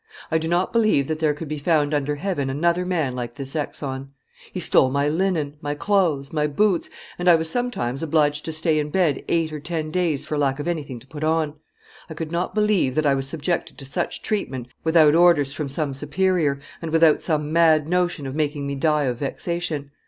I do not believe that there could be found under heaven another man like this exon. He stole my linen, my clothes, my boots, and I was sometimes obliged to stay in bed eight or ten days for lack of anything to put on. I could not believe that I was subjected to such treatment without orders from some superior, and without some mad notion of making me die of vexation.